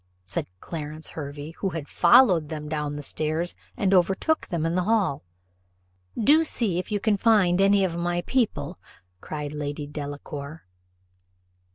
said Clarence Hervey, who had followed them down stairs, and overtook them in the hall. "Do see if you can find any of my people," cried Lady Delacour.